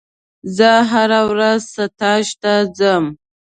زه هره ورځ ستاژ ته ځم.